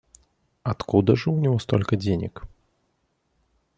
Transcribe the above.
Откуда же у него столько денег?